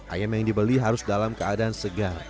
ayam yang dibeli harus dalam keadaan segar